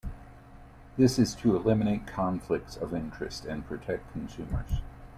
This is to eliminate conflicts of interest and protect consumers.